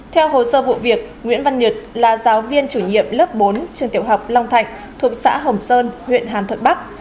theo hồ sơ vụ việc nguyễn văn nhật là giáo viên chủ nhiệm lớp bốn trường tiểu học long thạch thuộc xã hồng sơn huyện hàn thuận bắc